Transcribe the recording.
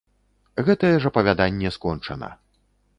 Гэтае ж апавяданне скончана.